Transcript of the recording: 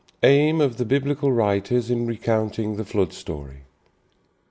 AIM OF THE BIBLICAL WRITERS IN RECOUNTING THE FLOOD STORY.